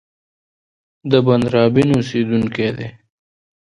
د بندرابن اوسېدونکی دی.